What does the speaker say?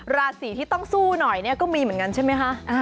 ราศีที่ต้องสู้หน่อยก็มีเหมือนกันใช่มั้ยค่ะ